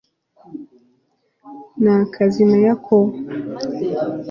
na izaki na yakobo